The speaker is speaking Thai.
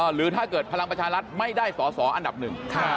หรือถ้าเกิดพลังประชารัฐไม่ได้สอสออันดับหนึ่ง